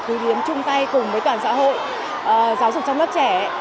thứ tiến chung tay cùng với toàn xã hội giáo dục trong lớp trẻ